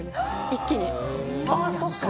一気に。